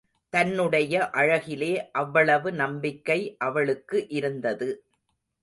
தன்னுடைய அழகிலே அவ்வளவு நம்பிக்கை அவளுக்கு இருந்தது.